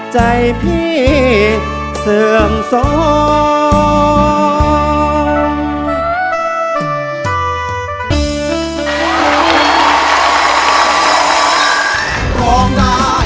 ใจผิดเสื่อมสอง